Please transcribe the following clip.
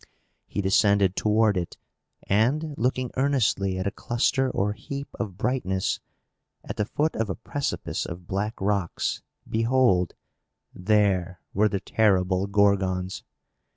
He descended toward it, and, looking earnestly at a cluster or heap of brightness, at the foot of a precipice of black rocks, behold, there were the terrible Gorgons!